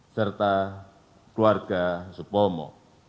serta keluarga supomo